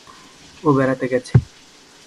ও বেড়াতে গেছে।